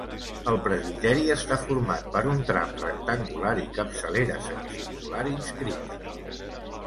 El presbiteri està format per un tram rectangular i capçalera semicircular inscrita.